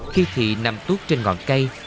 khi thị nằm tuốt trên ngọn cây